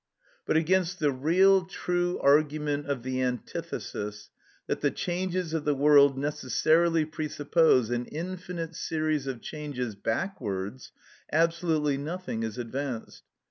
But against the real, true argument of the antithesis, that the changes of the world necessarily presuppose an infinite series of changes backwards, absolutely nothing is advanced.